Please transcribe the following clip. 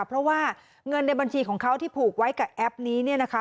เพราะว่าเงินในบัญชีของเขาที่ผูกไว้กับแอปนี้เนี่ยนะคะ